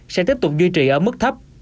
sẽ tiếp tục duy trì ở mức thấp